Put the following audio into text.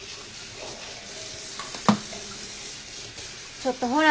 ちょっとほら。